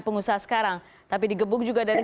pengusaha sekarang tapi di gebuk juga dari